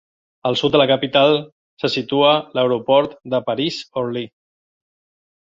Al sud de la capital se situa l'Aeroport de París-Orly.